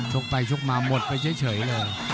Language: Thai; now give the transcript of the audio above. กไปชกมาหมดไปเฉยเลย